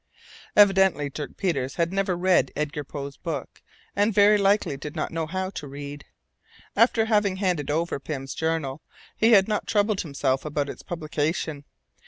Evidently Dirk Peters had never read Edgar Poe's book, and very likely did not know how to read. After having handed over Pym's journal, he had not troubled himself about its publication.